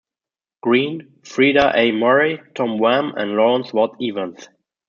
Green, Frieda A. Murray, Tom Wham, and Lawrence Watt-Evans.